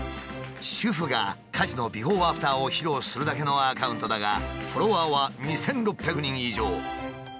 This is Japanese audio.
主婦が家事のビフォーアフターを披露するだけのアカウントだがフォロワーは２，６００人以上。